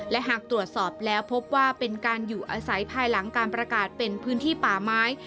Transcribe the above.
และหากตรวจสอบแล้วพบว่าเป็นการอยู่อาศัยภายหลังการประกาศเป็นพื้นที่ป่าไม้